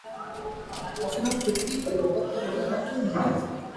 آخر ہم فکری بلوغت کا مظاہرہ کیوں نہیں کر سکتے ہیں؟